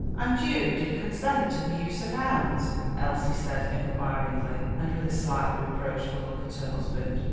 "And you did consent to the use of hounds?" Elsie said inquiringly, and with a slightly reproachful look at her husband.